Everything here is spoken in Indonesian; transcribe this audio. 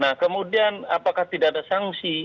nah kemudian apakah tidak ada sanksi